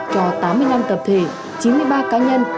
cho tám mươi năm tập thể chín mươi ba cá nhân